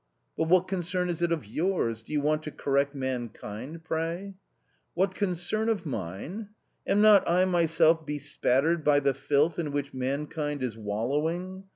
" But what concern is it of yours ? Do you want to correct mankind, pray ?" "What concern of mine? Am not I myself bespattered by the filth in which mankind is wallowing